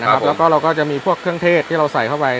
นะครับเราก็จะมีพวกเทศที่เราใส่เข้าไป